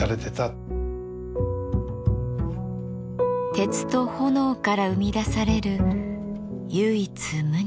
鉄と炎から生み出される唯一無二の芸術です。